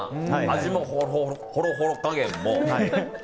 味もホロホロ加減も。